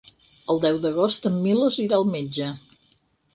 El deu d'agost en Milos irà al metge.